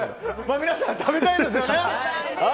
皆さん食べたいですよね？